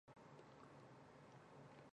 韩国国防工业起步较晚但发展迅猛。